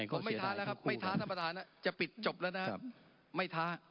ผมไม่ท้าแล้วครับไม่ท้าท่านประธานจะปิดจบแล้วนะไม่ท้า